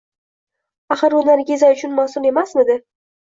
Axir u Nargiza uchun mas`ul emasmidi